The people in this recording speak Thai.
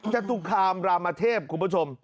จตุคามรามเทพคุณผู้ชม